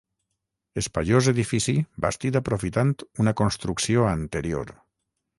Espaiós edifici bastit aprofitant una construcció anterior.